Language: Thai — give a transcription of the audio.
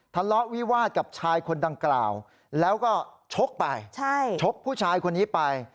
ทะเลาะวิวาสกับชายคนดังกล่าวแล้วก็ชกไปชกผู้ชายคนนี้ไป